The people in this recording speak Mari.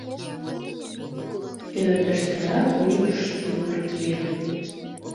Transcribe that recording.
Ӧрдыжтырак мӱкш тувыр кия.